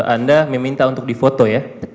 anda meminta untuk di foto ya